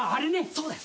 そうだよ。